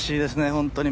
本当に。